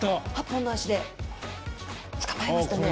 ８本の足で捕まえましたね。